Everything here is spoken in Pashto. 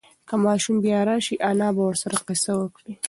که ماشوم بیا راشي، انا به ورسره قصه وکړي.